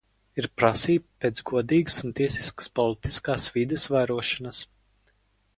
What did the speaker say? Ir prasība pēc godīgas un tiesiskas politiskās vides vairošanas.